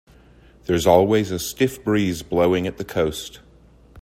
There's always a stiff breeze blowing at the coast.